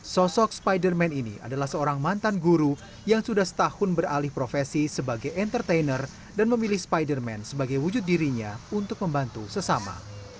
sosok spider man ini adalah seorang mantan guru yang sudah setahun beralih profesi sebagai entertainer dan memilih spider man sebagai wujud dirinya untuk membantu sesama